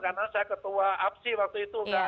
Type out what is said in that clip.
karena saya ketua apsi waktu itu